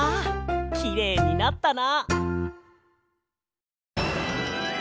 きれいになったな。